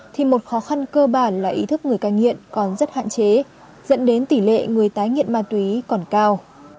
thì một khó khăn cơ bản là ý thức người cai nghiện còn rất hạn chế dẫn đến tỷ lệ người tái nghiện ma túy còn cao